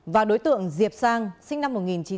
và đối tượng diệp sang sinh năm một nghìn chín trăm tám mươi